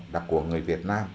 đặc của người việt nam